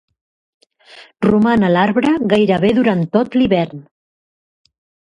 Roman a l'arbre gairebé durant tot l'hivern.